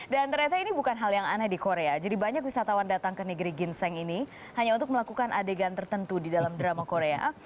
dan ternyata ini bukan hal yang aneh di korea jadi banyak wisatawan datang ke negeri ginseng ini hanya untuk melakukan adegan tertentu di dalam drama korea